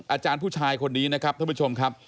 อาจารย์ผู้ชายคนนี้นะครับท่านผู้ชมครับ